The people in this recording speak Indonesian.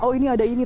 oh ini ada ini